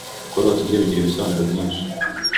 Kurota urya bigira ibisobanuro byinshi